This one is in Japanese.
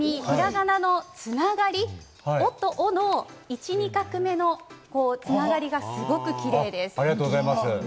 特にひらがなのつながり、「お」と「れ」の１・２画目のつながりがすごくキレイです。